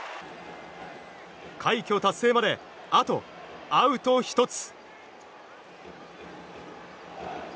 快挙達成まであとアウト１つ。